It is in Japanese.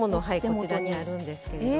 こちらにあるんですけど。